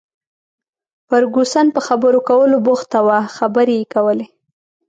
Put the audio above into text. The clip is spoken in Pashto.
فرګوسن په خبرو کولو بوخته وه، خبرې یې کولې.